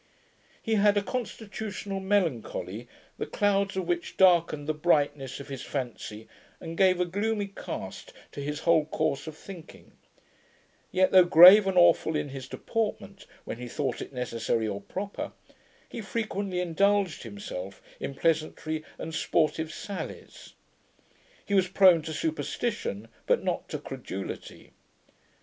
He had a constitutional melancholy, the clouds of which darkened the brightness of his fancy, and gave a gloomy cast to his whole course of thinking: yet, though grave and awful in his deportment, when he thought it necessary or proper, he frequently indulged himself in pleasantry and sportive sallies. He was prone to superstition, but not to credulity.